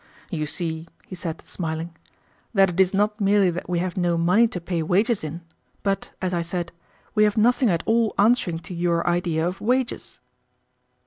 "You see," he said, smiling, "that it is not merely that we have no money to pay wages in, but, as I said, we have nothing at all answering to your idea of wages."